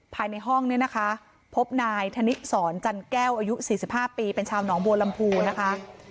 ภายในห้องเนี่ยนะคะพบนายธนิสรจันแก้วอายุ๔๕ปีเป็นชาวหนองบัวลำพูนะคะ